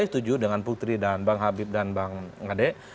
saya setuju dengan putri dan bang habib dan bang ngade